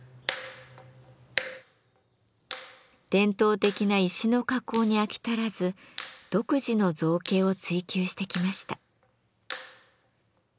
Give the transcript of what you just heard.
伝統的な石の加工に飽き足らず独自の造形を追求してきました。